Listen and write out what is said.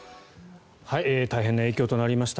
大変な影響となりました。